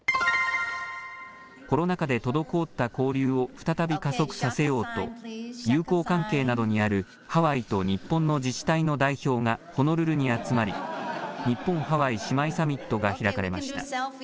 コロナ禍で滞った交流を再び加速させようと友好関係などにあるハワイと日本の自治体の代表がホノルルに集まり日本ハワイ姉妹サミットが開かれました。